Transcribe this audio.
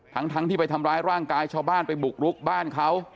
ทั้งที่ไปทำร้ายร่างกายชาวบ้านไปบุกรุกบ้านเขา